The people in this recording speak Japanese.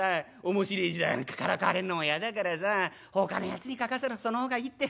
『面白え字だ』なんかからかわれんのもやだからさほかのやつに書かせろその方がいいって。